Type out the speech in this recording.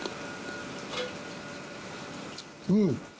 うん。